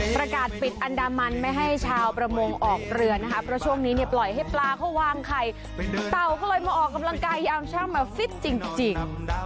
ประกาศปิดอันดามันไม่ให้ชาวประมงออกเรือนะคะเพราะช่วงนี้เนี่ยปล่อยให้ปลาเขาวางไข่เต่าก็เลยมาออกกำลังกายยามช่างมาฟิตจริง